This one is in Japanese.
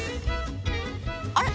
あれ？